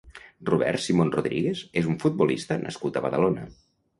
Robert Simón Rodríguez és un futbolista nascut a Badalona.